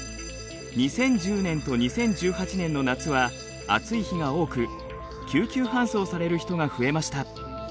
２０１０年と２０１８年の夏は暑い日が多く救急搬送される人が増えました。